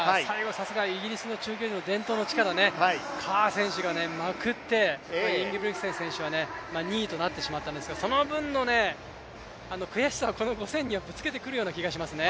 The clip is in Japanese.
さすがイギリス伝統の力、カー選手がまくって、インゲブリクセンは２位となってしまったんですがその分の悔しさをこの５０００ｍにぶつけてくるような気がしますね。